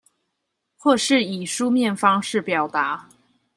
或是以書面方式表達